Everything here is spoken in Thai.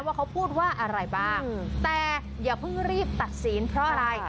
ว่าเขาพูดว่าอะไรบ้างแต่อย่าเพิ่งรีบตัดสินเพราะอะไร